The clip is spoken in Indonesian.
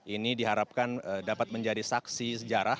ini diharapkan dapat menjadi saksi sejarah